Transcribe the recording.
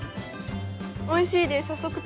おいしいです。